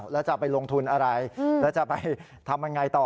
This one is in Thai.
แล้วจะไปลงทุนอะไรแล้วจะไปทำยังไงต่อ